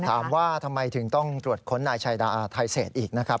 ถามว่าทำไมถึงต้องตรวจค้นนายชายดาไทเศษอีกนะครับ